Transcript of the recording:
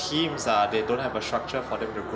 tim tidak memiliki struktur untuk membesar